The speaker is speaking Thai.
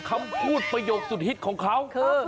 คำพูดประโยชน์สุดฮิตของเค้า